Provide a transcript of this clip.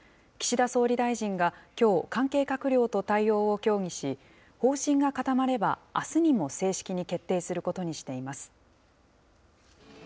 岸田総理大臣がきょう、関係閣僚と対応を協議し、方針が固まれば、あすにも正式に決定することにしています。